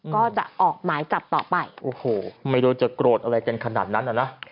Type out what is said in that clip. ก็จะออกหมายจับต่อไปโอ้โหไม่รู้จะโกรธอะไรกันขนาดนั้นน่ะนะ